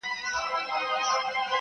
چي د ده عاید څو چنده دا علت دی-